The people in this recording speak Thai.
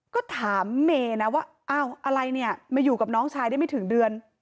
ก็ถามเมย์นะว่าอ้าวอะไรเนี่ยมาอยู่กับน้องชายได้ไม่ถึงเดือน